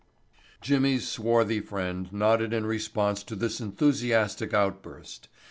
Jimmy's swarthy friend nodded in response to this enthusiastic outburst.